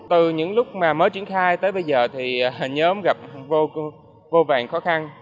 từ những lúc mà mới triển khai tới bây giờ thì hình nhóm gặp vô vàng khó khăn